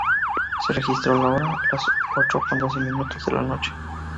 Se registró la hora: las ocho con doce minutos de la noche.